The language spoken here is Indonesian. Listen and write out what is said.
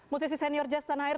musisi senior jazz tanah air